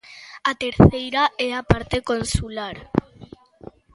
A terceira é a parte consular.